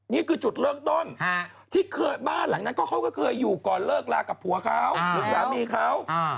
นี่คือจุดเริ่มต้นที่เคยบ้านหลังนั้นเขาก็เคยอยู่ก่อนเลิกลากับผัวเขาหรือสามีเขา